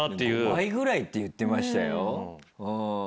５倍ぐらいって言ってましたよ。